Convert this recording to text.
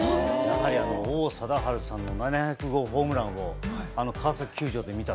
王貞治さんの７００号ホームランを川崎球場で見た。